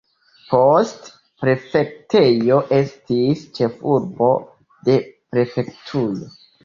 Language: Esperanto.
Poste, prefektejo estis ĉefurbo de prefektujo.